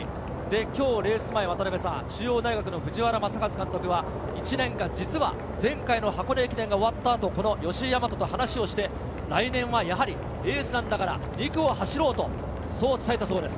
レース前、中央大学・藤原正和監督は１年間、実は前回の箱根駅伝が終わったあと、この吉居大和と話をして来年はやはりエースなんだから２区を走ろうと、そう伝えたそうです。